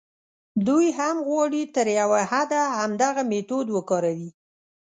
دوی هم غواړي تر یوه حده همدغه میتود وکاروي.